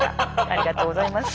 ありがとうございます。